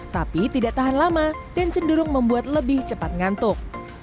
tapi tidak tahan lama dan cenderung membuat lebih cepat ngantuk